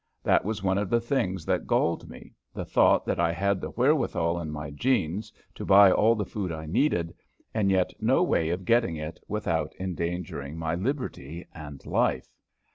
That was one of the things that galled me the thought that I had the wherewithal in my jeans to buy all the food I needed, and yet no way of getting it without endangering my liberty and life.